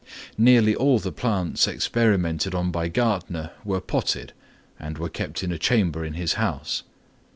Nearly all the plants experimented on by Gärtner were potted, and were kept in a chamber in his house.